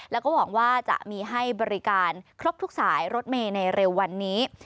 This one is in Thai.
แล้วก็หวังว่าจะมีให้บริการครบทุกสายรถเมย์ในเร็ววันนี้